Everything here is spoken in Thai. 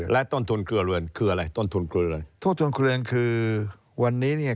และต้นทุนครัวเรือน